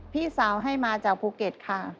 พี่สาวให้มาจากภูเก็ตค่ะ